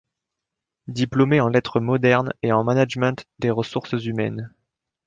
Diplômée en lettres modernes et en management des ressources humaines.